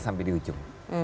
sampai di ujung